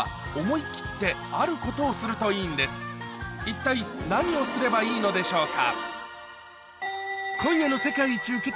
どうしても一体何をすればいいのでしょうか？